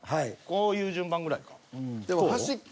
こういう順番ぐらいか。